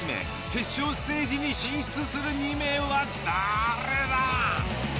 決勝ステージに進出する２名は誰だ！